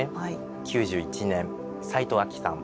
９１年齊藤亜紀さん。